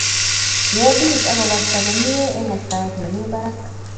Kiebit akokasta komie eng kastaet nemi barak